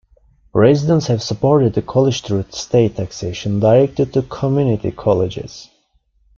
Residents have supported the College through state taxation directed to community colleges.